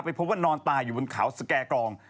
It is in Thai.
พบว่านอนตายอยู่บนเขาสแก่กรอง